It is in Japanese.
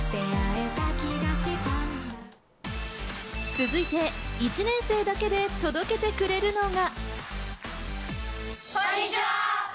続いて１年生だけで届けてくれるのが。